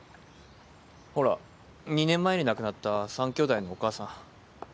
ほら２年前に亡くなった３兄弟のお母さん。